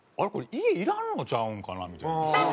家いらんのちゃうんかなみたいな。